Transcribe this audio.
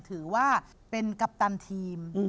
ถือว่าเป็นกัปตันทีม